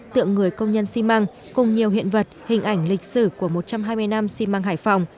tượng người công nhân xi măng cùng nhiều hiện vật hình ảnh lịch sử của một trăm hai mươi năm xi măng hải phòng